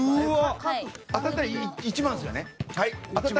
当たったら１万ですよね？